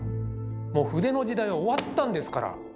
もう筆の時代は終わったんですから！